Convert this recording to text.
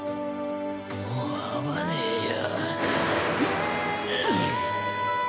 もう会わねえよ。